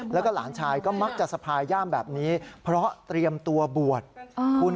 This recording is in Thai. แล้วก็หลานชายก็มักจะสะพายย่ามแบบนี้เพราะเตรียมตัวบวชคุณ